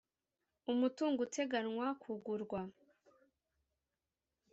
umutungo uteganywa kugurwa